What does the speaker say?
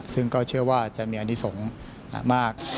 ซึ่งก็เชื่อว่าจะมีอนิสงฆ์มาก